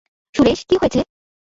সুরেশ, কি হয়েছে?